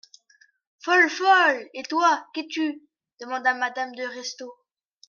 Folle ! folle ! Et toi, qu'es-tu ? demanda madame de Restaud.